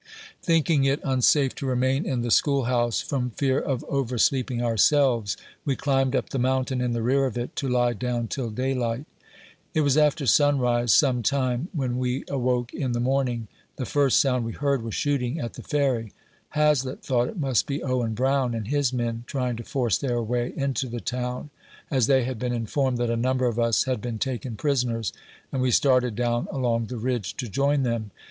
Thinking it unsafe to remain in the school house, from fear of oversleeping ourselves, we climbed up the mountain in the rear of it, to lie down till daylight. It was after sunrise some time when we awoke in the morning. The first sound we heard was shooting at the Ferry. Hazlett thought it must be Owen Brown and his men trying to force their way into the town, as they had been informed that a number of us had been taken prisoners, and we started down along the ridge to join them.